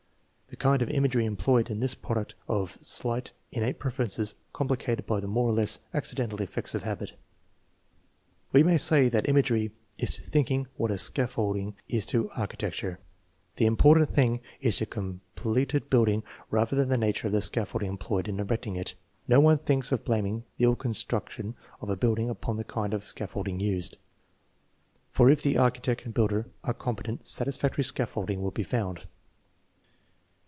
The kind of imagery employed is the product of AVEEAGE ADULT, 5 329 slight, innate preferences complicated by the more or less accidental effects of habit. We may say that imagery is to thinking what scaffold ing is to architecture. The important thing is the com pleted building rather than the nature of the scaffolding employed in erecting it. No one thinks of blaming the ill construction of a building upon the kind of scaffolding used, for if the architect and builder are competent satisfactory scaffolding will be found.